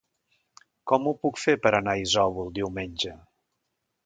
Com ho puc fer per anar a Isòvol diumenge?